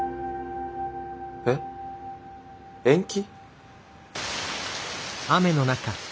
えっ延期？